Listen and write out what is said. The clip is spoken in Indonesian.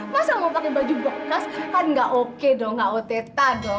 masa mau pake baju blokas kan gak oke dong gak oteta dong gak otetan dong